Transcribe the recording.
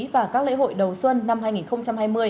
và các lễ hội đầu xuân năm hai nghìn hai mươi